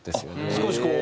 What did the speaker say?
少しこう。